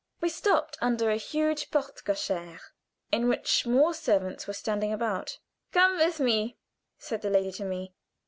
We stopped under a huge porte cochère in which more servants were standing about. "Come with me," said the lady to me.